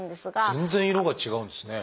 全然色が違うんですね。